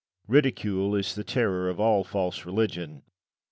Ridicule is the terror of all false religion.